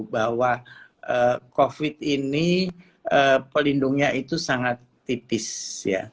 bahwa covid ini pelindungnya itu sangat tipis ya